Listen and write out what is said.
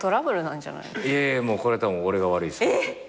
いやいやもうこれはたぶん俺が悪いです。